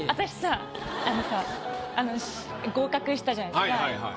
あのさ合格したじゃないですか一級。